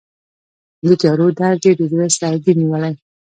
د تیارو درد یې د زړه سردې نیولی